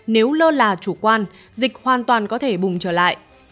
nếu lơ là chủ quan dịch hoàn toàn có thể bùng trở lại